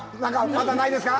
まだないですか？